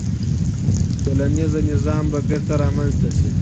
ټولنیز نظم به بیرته رامنځته سي.